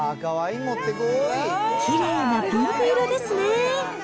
きれいなピンク色ですね。